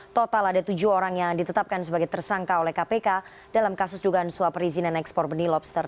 total ada tujuh orang yang ditetapkan sebagai tersangka oleh kpk dalam kasus dugaan suap perizinan ekspor benih lobster